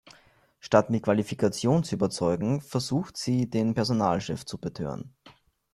Statt mit Qualifikation zu überzeugen, versucht sie, den Personalchef zu betören.